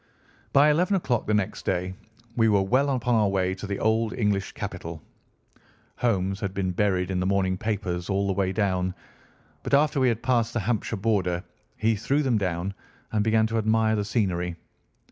By eleven o'clock the next day we were well upon our way to the old English capital. Holmes had been buried in the morning papers all the way down, but after we had passed the Hampshire border he threw them down and began to admire the scenery.